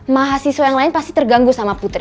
mahasiswa yang lain pasti terganggu sama putri